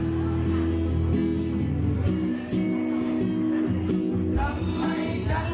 ทำไมฉันไม่ได้ขอบเธอ